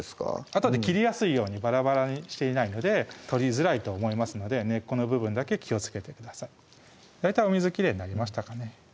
あとで切りやすいようにバラバラにしていないので取りづらいと思いますので根っこの部分だけ気をつけて大体お水きれいになりましたかね？